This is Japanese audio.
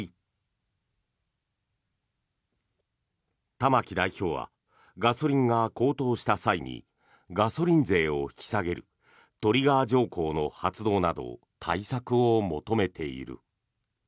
玉木代表はガソリンが高騰した際にガソリン税を引き下げるトリガー条項の発動など対策を求めている。